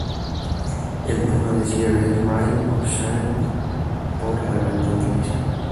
El tema de cierre es "Rain or Shine" por la cantante Elisa.